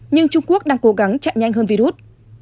nhưng trung quốc đang cố gắng chạy nhanh hơn virus